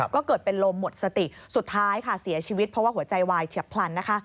ก็เกิดเป็นลมหมดสติสุดท้ายค่ะเสียชีวิตเพราะว่าหัวใจวายเฉียบพลันนะคะ